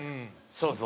そうそう。